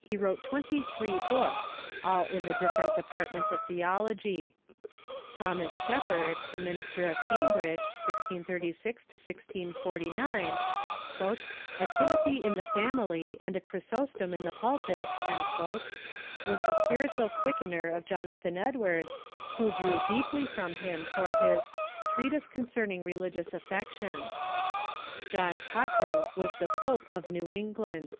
He wrote twenty three books, all in the different departments of theol ogy. Thomas Shepard, the minister of Cambridge, 1636 1649, "a Timothy in the family and a Chrysostom in the pul pit," was the spiritual quickener of Jonathan Edwards, who drew deeply from him for his "Treatise Concerning Religious Affections." John Cotton was the pope of New England.